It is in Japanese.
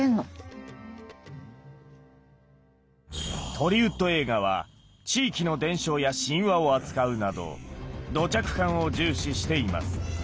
トリウッド映画は地域の伝承や神話を扱うなど土着感を重視しています。